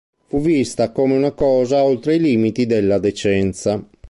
Fu vista come una cosa oltre i limiti della decenza.